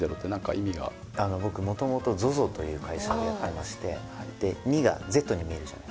あの僕もともとＺＯＺＯという会社をやってまして２がＺに見えるじゃないですか。